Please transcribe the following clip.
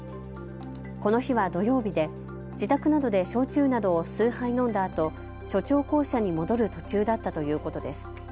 この日は土曜日で自宅などで焼酎などを数杯飲んだあと署長公舎に戻る途中だったということです。